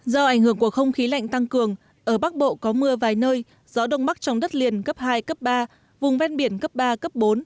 do ảnh hưởng của không khí lạnh tăng cường ở bắc bộ có mưa vài nơi gió đông bắc trong đất liền cấp hai cấp ba vùng ven biển cấp ba cấp bốn